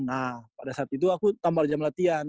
nah pada saat itu aku tambal jam latihan